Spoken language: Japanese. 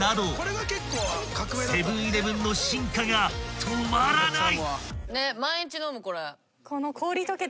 ［セブン−イレブンの進化が止まらない！］